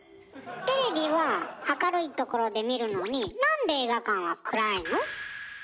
テレビは明るい所で見るのになんで映画館は暗いの？